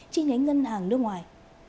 tri nhánh ngân hàng nước ngoài